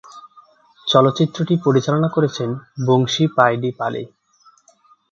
চলচ্চিত্রটি পরিচালনা করেছেন বংশী পাইডিপালি।